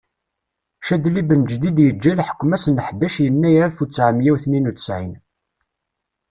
Cadli Benǧdid yeǧǧa leḥkum ass n ḥdac yennayer alef utseɛ meyya utnayen utesɛin.